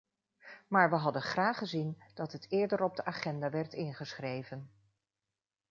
Maar we hadden graag gezien dat het eerder op de agenda werd ingeschreven.